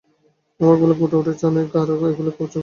আমার কপালে গোটা উঠেছে অনেক আর এগুলো খুব চুলকায়।